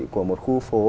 của một khu phố